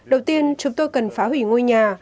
đầu tiên chúng tôi cần phá hủy ngôi nhà